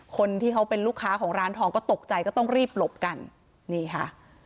คนที่เขาเป็นลูกค้าของร้านทองก็ตกใจก็ต้องรีบหลบกันนี่ค่ะ